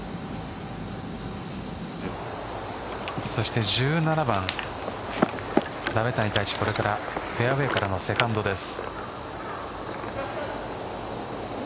そして１７番鍋谷太一、これからフェアウエーからのセカンドです。